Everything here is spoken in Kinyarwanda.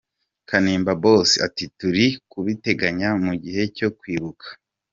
Kanimba Boss ati “ Turi kubiteganya mu gihe cyo kwibuka.